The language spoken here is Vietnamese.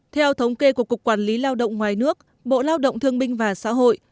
theo thống kê của cục quản lý lao động ngoài nước bộ lao động thương binh và xã hội